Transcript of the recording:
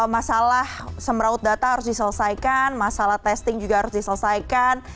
masalah semeraut data harus diselesaikan masalah testing juga harus diselesaikan